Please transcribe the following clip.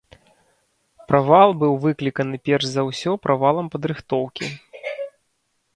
Правал быў выкліканы перш за ўсё правалам падрыхтоўкі.